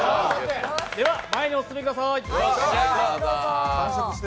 では前にお進みください。